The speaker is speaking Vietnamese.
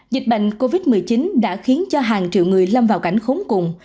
dịch bệnh covid một mươi chín đã khiến cho hàng triệu người lâm vào cảnh khốn cùng